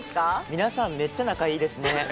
皆さん、めっちゃ仲いいですね！